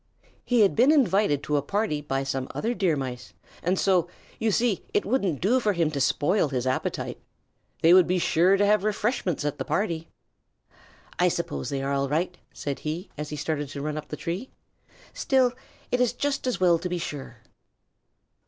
He had been invited to a party by some other Deer Mice, and so, you see, it wouldn't do for him to spoil his appetite. They would be sure to have refreshments at the party. "I suppose they are all right," said he, as he started to run up the tree; "still it is just as well to be sure."